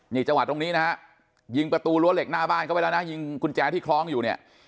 นี่จังหวะตรงนี้นะฮะยิงประตูรั้วเหล็กหน้าบ้านเข้าไปแล้วนะยิงกุญแจที่คล้องอยู่เนี่ย